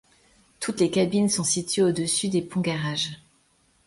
Toutes les cabines sont situées au-dessus des ponts garage.